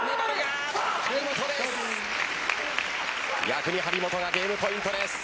逆に張本がゲームポイントです。